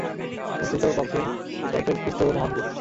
বস্তৃত পক্ষে এটা একটা উৎকৃষ্ট ও মহান গুণ।